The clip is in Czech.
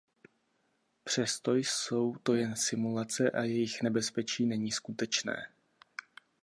Přesto jsou to jen simulace a jejich nebezpečí není skutečné.